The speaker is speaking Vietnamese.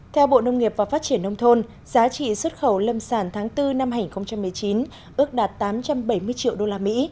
theo bộ nông nghiệp và phát triển nông thôn giá trị xuất khẩu lâm sản tháng bốn năm hai nghìn một mươi chín ước đạt tám trăm bảy mươi triệu đô la mỹ